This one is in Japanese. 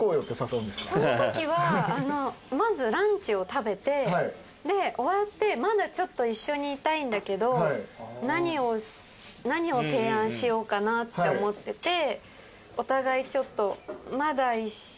そのときはまずランチを食べてで終わってまだちょっと一緒にいたいんだけど何を提案しようかなって思っててお互いちょっと。